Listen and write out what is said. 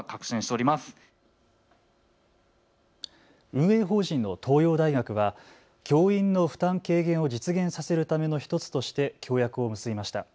運営法人の東洋大学は教員の負担軽減を実現させるための１つとして協約を結びました。